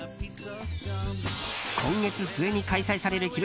今月末に開催される